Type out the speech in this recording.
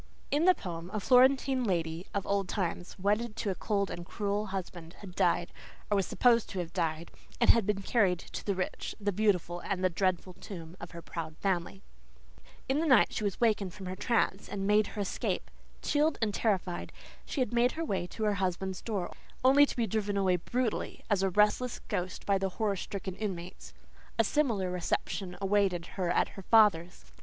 In the poem a Florentine lady of old time, wedded to a cold and cruel husband, had died, or was supposed to have died, and had been carried to "the rich, the beautiful, the dreadful tomb" of her proud family. In the night she wakened from her trance and made her escape. Chilled and terrified, she had made her way to her husband's door, only to be driven away brutally as a restless ghost by the horror stricken inmates. A similar reception awaited her at her father's.